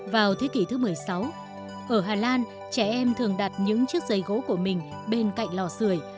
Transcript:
vào thế kỷ thứ một mươi sáu ở hà lan trẻ em thường đặt những chiếc giấy gỗ của mình bên cạnh lò xười